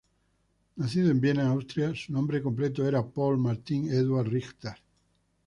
Nacido en Viena, Austria, su nombre completo era Paul Martin Eduard Richter.